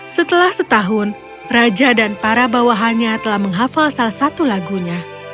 setelah setahun raja dan para bawahannya telah menghafal salah satu lagunya